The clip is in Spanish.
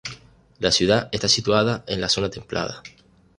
La ciudad está situada en la zona templada.